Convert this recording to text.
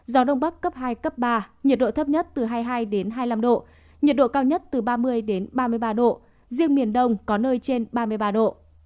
gió đông bắc cấp hai cấp ba nhiệt độ thấp nhất từ hai mươi hai hai mươi năm độ nhiệt độ cao nhất từ ba mươi ba mươi ba độ riêng miền đông có nơi trên ba mươi ba độ